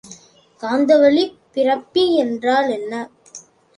காந்தவழிப் பிறப்பி என்றால் என்ன?